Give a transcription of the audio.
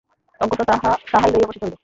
অগত্যা তাহাই লইয়া বসিতে হইল।